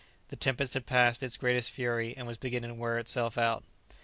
The tempest had passed its greatest fury, and was beginning to wear itself out.